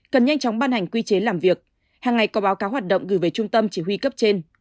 cần nhanh chóng ban hành quy chế làm việc hàng ngày có báo cáo hoạt động gửi về trung tâm chỉ huy cấp trên